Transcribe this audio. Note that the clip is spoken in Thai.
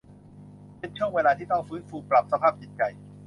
เป็นช่วงเวลาที่ต้องฟื้นฟูปรับสภาพจิตใจ